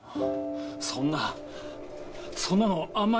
そんなそんなのあんまりでしょう。